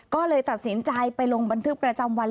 ก็เลยตัดสินใจไปลงบันทึกประจำวัน